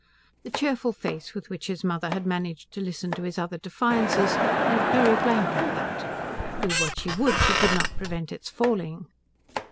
The cheerful face with which his mother had managed to listen to his other defiances went very blank at that; do what she would she could not prevent its falling.